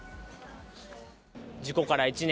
事故から１年。